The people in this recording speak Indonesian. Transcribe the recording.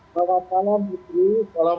selamat malam bu tri assalamualaikum